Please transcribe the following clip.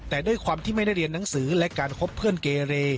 แต่ด้วยความที่ไม่ได้เรียนหนังสือและการคบเพื่อนเกเร